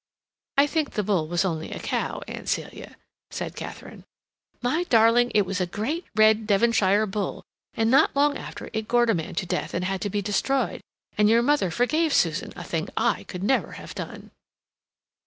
"I think the bull was only a cow, Aunt Celia," said Katharine. "My darling, it was a great red Devonshire bull, and not long after it gored a man to death and had to be destroyed. And your mother forgave Susan—a thing I could never have done."